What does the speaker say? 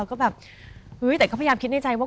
ก็แบบเฮ้ยแต่ก็พยายามคิดในใจว่า